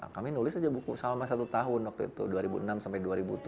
kami nulis aja buku selama satu tahun waktu itu dua ribu enam sampai dua ribu tujuh